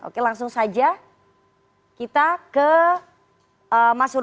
oke langsung saja kita ke mas surya